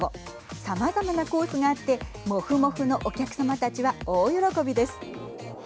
さまざまなコースがあってもふもふのお客様たちは大喜びです。